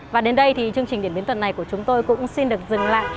và đến đây thì chương trình điển biến tuần này của chúng tôi cũng xin được dừng lại